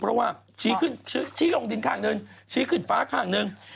เพราะว่าชี้ลงดินข้างหนึ่งชี้ขึ้นฟ้าข้างหนึ่ง